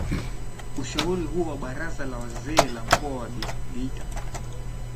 Ushauri huo wa baraza la wazee la mkoa wa geita